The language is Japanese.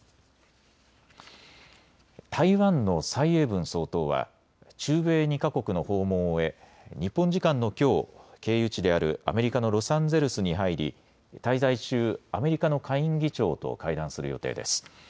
台湾の蔡英文総統は中米２か国の訪問を終え日本時間のきょう経由地であるアメリカのロサンゼルスに入り滞在中、アメリカの下院議長と会談する予定です。